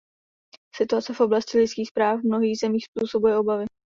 Situace v oblasti lidských práv v mnohých zemích způsobuje obavy.